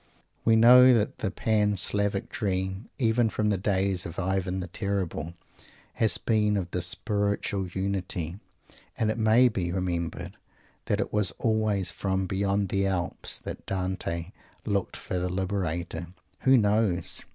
We know that the Pan Slavic dream, even from the days of Ivan the Terrible, has been of this spiritual unity, and it may be remembered that it was always from "beyond the Alps" that Dante looked for the Liberator. Who knows?